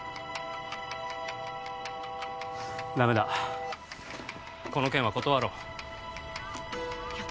ダメだこの件は断ろういや